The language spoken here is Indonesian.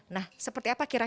nah seperti apa kira kira